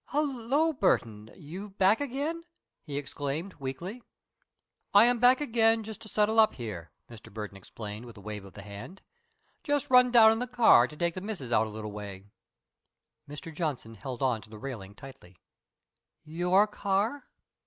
"Hullo, Burton, you back again?" he exclaimed weakly. "I am back again just to settle up here," Mr. Burton explained, with a wave of the hand. "Just run down in the car to take the missis out a little way." Mr. Johnson held on to the railing tightly. "Your car?"